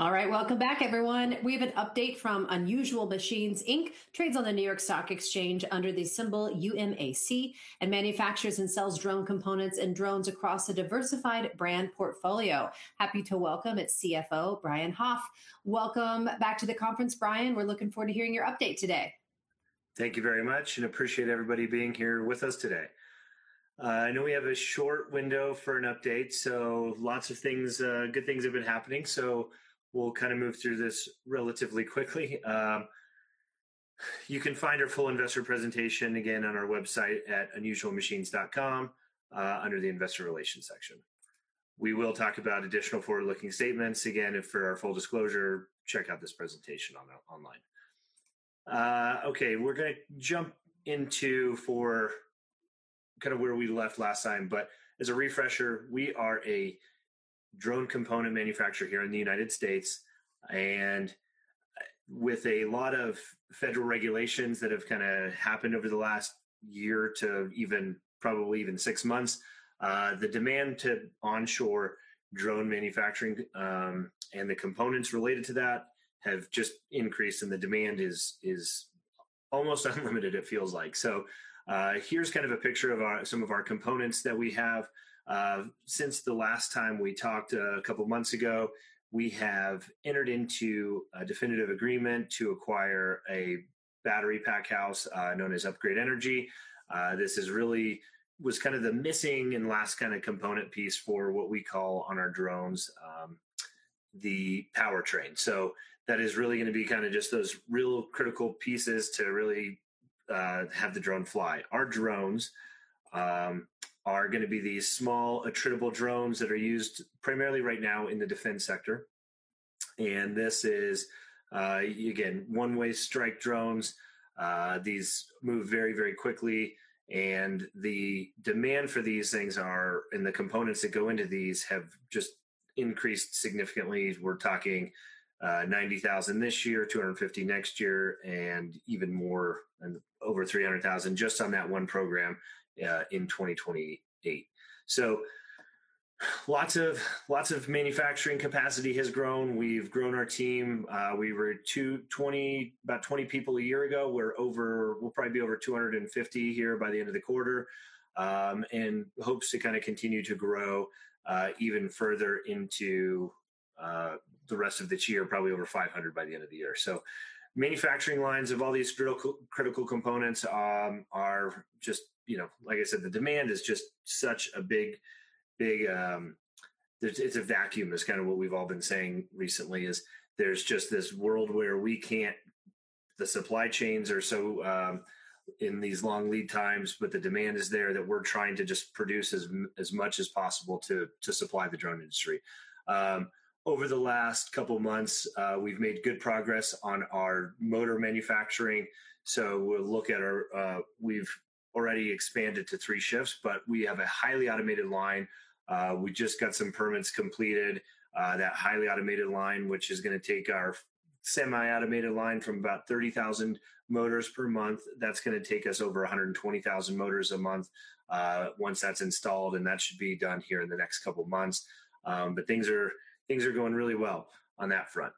All right. Welcome back, everyone. We have an update from Unusual Machines, Inc. Trades on the New York Stock Exchange under the symbol UMAC, and manufactures and sells drone components and drones across a diversified brand portfolio. Happy to welcome its CFO, Brian Hoff. Welcome back to the conference, Brian. We're looking forward to hearing your update today. Thank you very much, and appreciate everybody being here with us today. I know we have a short window for an update. Lots of good things have been happening. We'll kind of move through this relatively quickly. You can find our full investor presentation, again, on our website at unusualmachines.com under the investor relations section. We will talk about additional forward-looking statements. Again, for our full disclosure, check out this presentation online. Okay. We're going to jump into where we left last time. As a refresher, we are a drone component manufacturer here in the United States. With a lot of federal regulations that have happened over the last year to even probably even six months, the demand to onshore drone manufacturing, and the components related to that, have just increased, and the demand is almost unlimited it feels like. Here's a picture of some of our components that we have. Since the last time we talked a couple of months ago, we have entered into a definitive agreement to acquire a battery pack house, known as Upgrade Energy. This really was the missing and last component piece for what we call on our drones, the powertrain. That is really going to be just those real critical pieces to really have the drone fly. Our drones are going to be these small, attritable drones that are used primarily right now in the defense sector. This is, again, one-way strike drones. These move very quickly, and the demand for these things and the components that go into these have just increased significantly. We're talking 90,000 this year, 250,000 next year, and even more, over 300,000 just on that one program in 2028. Lots of manufacturing capacity has grown. We've grown our team. We were about 20 people a year ago. We'll probably be over 250 here by the end of the quarter, in hopes to continue to grow even further into the rest of this year, probably over 500 by the end of the year. Manufacturing lines of all these critical components are just, like I said, the demand is just such a big. It's a vacuum, is kind of what we've all been saying recently. There's just this world where the supply chains are so in these long lead times. The demand is there that we're trying to just produce as much as possible to supply the drone industry. Over the last couple of months, we've made good progress on our motor manufacturing. We've already expanded to three shifts, but we have a highly automated line. We just got some permits completed. That highly automated line, which is going to take our semi-automated line from about 30,000 motors per month, that's going to take us over 120,000 motors a month, once that's installed, and that should be done here in the next couple of months. Things are going really well on that front.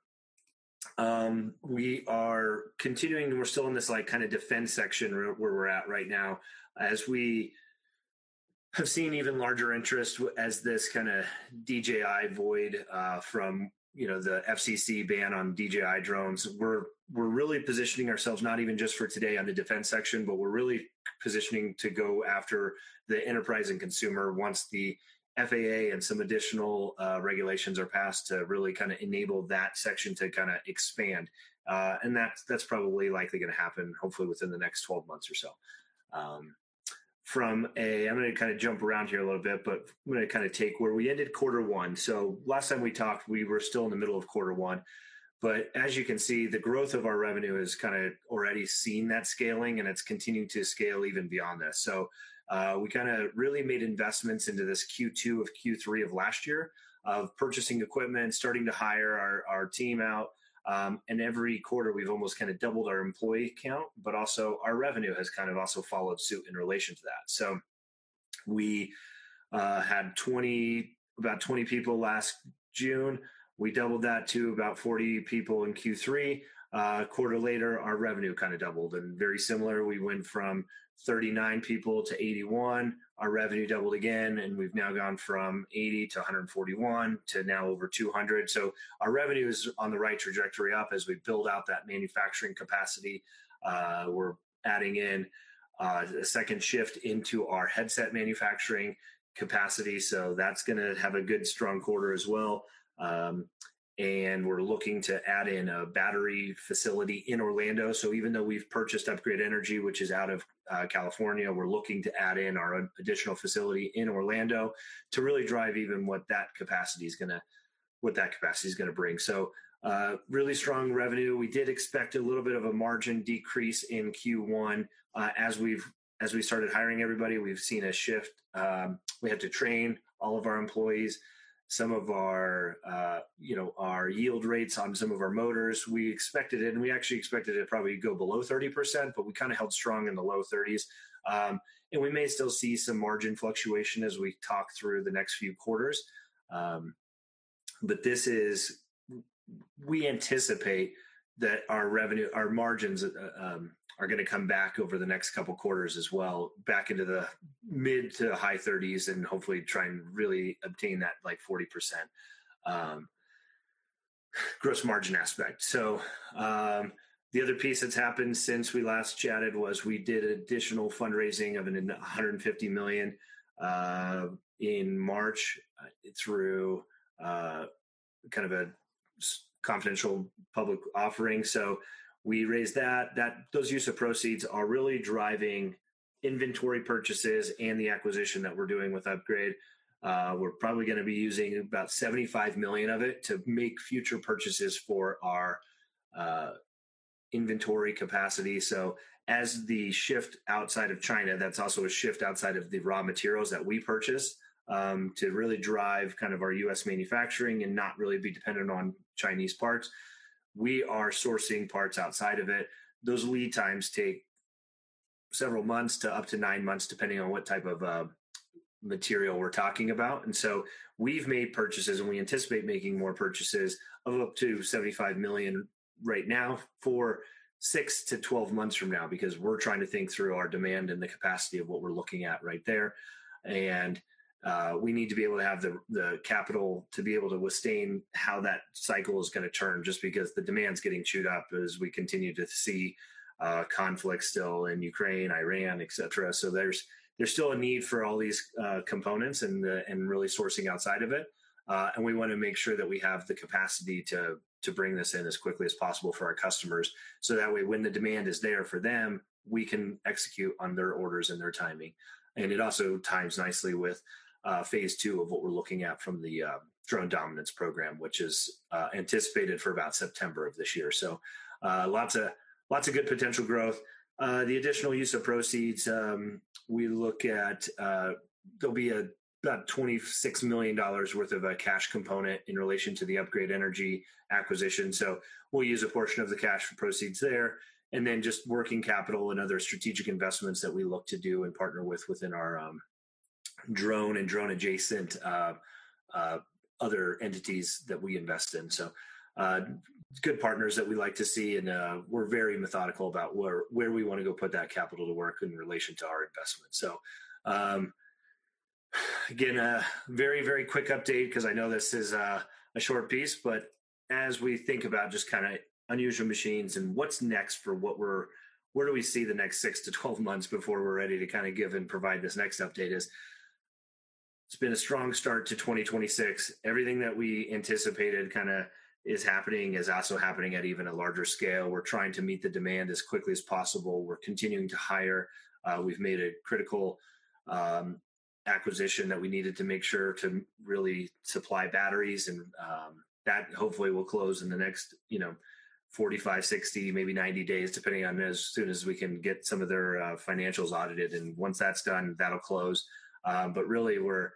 We're still in this kind of defense section where we're at right now, as we have seen even larger interest as this kind of DJI void from the FCC ban on DJI drones. We're really positioning ourselves, not even just for today on the defense section, but we're really positioning to go after the enterprise and consumer once the FAA and some additional regulations are passed to really enable that section to expand. That's probably likely going to happen, hopefully within the next 12 months or so. I'm going to kind of jump around here a little bit, I'm going to take where we ended quarter one. Last time we talked, we were still in the middle of quarter one. As you can see, the growth of our revenue has kind of already seen that scaling, and it's continuing to scale even beyond this. We kind of really made investments into this Q2 of Q3 of last year of purchasing equipment, starting to hire our team out. Every quarter, we've almost doubled our employee count, but also our revenue has kind of also followed suit in relation to that. We had about 20 people last June. We doubled that to about 40 people in Q3. A quarter later, our revenue kind of doubled. Very similar, we went from 39 people to 81. Our revenue doubled again, we've now gone from 80 to 141 to now over 200. Our revenue is on the right trajectory up as we build out that manufacturing capacity. We're adding in a second shift into our headset manufacturing capacity. That's going to have a good, strong quarter as well. We're looking to add in a battery facility in Orlando. Even though we've purchased Upgrade Energy, which is out of California, we're looking to add in our additional facility in Orlando to really drive even what that capacity is going to bring. Really strong revenue. We did expect a little bit of a margin decrease in Q1. As we started hiring everybody, we've seen a shift. We have to train all of our employees. Some of our yield rates on some of our motors, we expected it, we actually expected it probably to go below 30%, but we kind of held strong in the low 30s. We may still see some margin fluctuation as we talk through the next few quarters. We anticipate that our margins are going to come back over the next couple of quarters as well, back into the mid to high 30s, and hopefully try and really obtain that 40% gross margin aspect. The other piece that's happened since we last chatted was we did additional fundraising of $150 million in March through a confidential public offering. We raised that. Those use of proceeds are really driving inventory purchases and the acquisition that we're doing with Upgrade. We're probably going to be using about $75 million of it to make future purchases for our inventory capacity. As the shift outside of China, that's also a shift outside of the raw materials that we purchase to really drive our U.S. manufacturing and not really be dependent on Chinese parts. We are sourcing parts outside of it. Those lead times take several months to up to nine months, depending on what type of material we're talking about. We've made purchases, and we anticipate making more purchases of up to $75 million right now for 6-12 months from now, because we're trying to think through our demand and the capacity of what we're looking at right there. We need to be able to have the capital to be able to withstand how that cycle is going to turn, just because the demand's getting chewed up as we continue to see conflict still in Ukraine, Iran, et cetera. There's still a need for all these components and really sourcing outside of it. We want to make sure that we have the capacity to bring this in as quickly as possible for our customers, so that way, when the demand is there for them, we can execute on their orders and their timing. It also times nicely with phase two of what we're looking at from the Drone Dominance Program, which is anticipated for about September of this year. Lots of good potential growth. The additional use of proceeds, we look at, there'll be about $26 million worth of a cash component in relation to the Upgrade Energy acquisition. We'll use a portion of the cash for proceeds there, and then just working capital and other strategic investments that we look to do and partner with within our drone and drone-adjacent other entities that we invest in. Good partners that we like to see, and we're very methodical about where we want to go put that capital to work in relation to our investment. Again, a very quick update because I know this is a short piece, but as we think about just kind of Unusual Machines and what's next for where do we see the next 6-12 months before we're ready to give and provide this next update is, it's been a strong start to 2026. Everything that we anticipated is happening, is also happening at even a larger scale. We're trying to meet the demand as quickly as possible. We're continuing to hire. We've made a critical acquisition that we needed to make sure to really supply batteries, and that hopefully will close in the next 45, 60, maybe 90 days, depending on as soon as we can get some of their financials audited. Once that's done, that'll close. Really, we're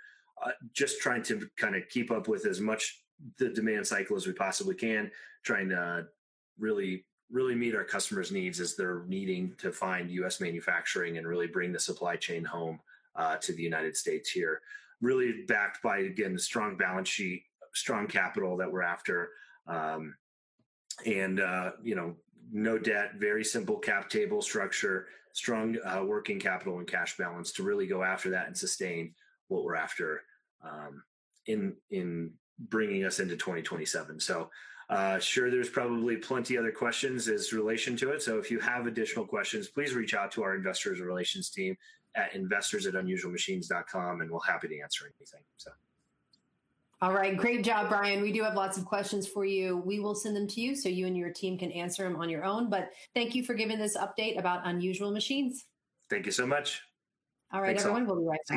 just trying to kind of keep up with as much the demand cycle as we possibly can, trying to really meet our customers' needs as they're needing to find U.S. manufacturing and really bring the supply chain home to the United States here. Really backed by, again, the strong balance sheet, strong capital that we're after. No debt, very simple cap table structure, strong working capital and cash balance to really go after that and sustain what we're after in bringing us into 2027. Sure there's probably plenty other questions as relation to it. If you have additional questions, please reach out to our investor relations team at investors@unusualmachines.com, and we'll be happy to answer anything. All right. Great job, Brian. We do have lots of questions for you. We will send them to you so you and your team can answer them on your own. Thank you for giving this update about Unusual Machines. Thank you so much. All right, everyone. We'll be right back.